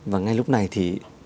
và ngay lúc này thì